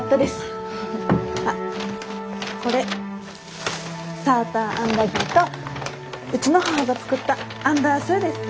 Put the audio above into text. あっこれサーターアンダギーとうちの母が作ったアンダンスーです。